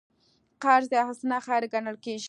قرض حسنه خیر ګڼل کېږي.